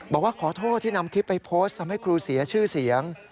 บอกว่าขอโทษที่นำคลิปไปโพสต์ทำให้ครูเสียชื่อเสียง